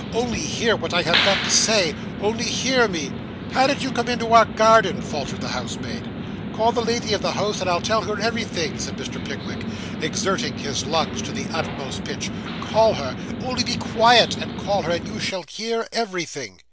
Only hear what I have got to say only hear me.' 'How did you come in our garden?' faltered the housemaid. 'Call the lady of the house, and I'll tell her everything,' said Mr. Pickwick, exerting his lungs to the utmost pitch. 'Call her only be quiet, and call her, and you shall hear everything.